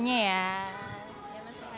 boleh lihat aku gambar orang hutan